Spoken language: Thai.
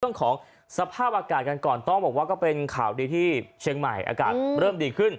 เรื่องของสภาพอากาศกันก่อนต้องบอกว่าก็เป็นข่าวดีที่เชียงใหม่อากาศเริ่มดีขึ้น